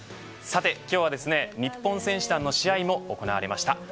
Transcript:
さて今日はですね日本選手団の試合も行われました。